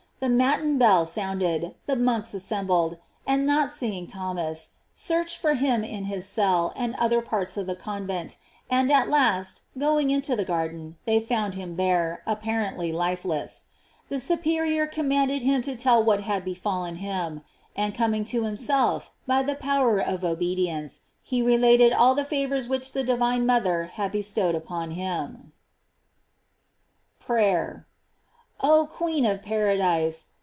The matin bell sound ed, the monks assembled, and not seeing Thom as, searched for him in his cell and other parts of the convent, and at last going into the garden they found him there, apparently lifeless. The superior comanded him to tell what had befallen him. And coming to himself, by the power of obedience, he related all the favors which thedi Tine mother had bestowed upon him. GLORIES OF MARY 289 PRAYER. Oh queen of paradise!